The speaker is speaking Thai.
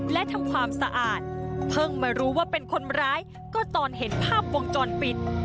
และทำความสะอาดเพิ่งมารู้ว่าเป็นคนร้ายก็ตอนเห็นภาพวงจรปิด